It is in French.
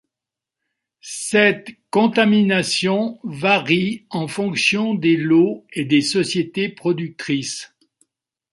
Cette contamination varie en fonction des lots et des sociétés productrices.